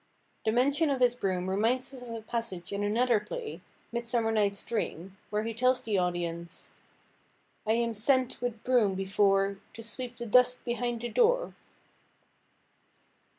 The mention of his broom reminds us of a passage in another play, Midsummer Night's Dream, where he tells the audience— "I am sent with broom before, To sweep the dust behind the door."